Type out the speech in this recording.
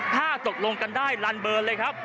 ถ้าตกลงกันได้ลันเบิร์นเลยครับ